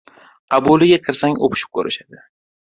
Qabuliga kirsangiz o‘pishib ko‘rishadi.